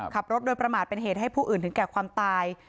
ขับรถโดยประมาทเป็นเหตุให้ผู้อื่นถึงแก่ความตาย